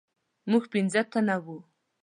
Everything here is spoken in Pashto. موږ پنځه تنه وو.